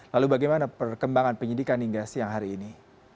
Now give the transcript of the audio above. lalu bagaimana perkembangan penyidikan hingga siang hari ini